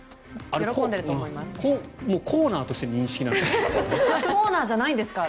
あれ、コーナーという認識なんですか？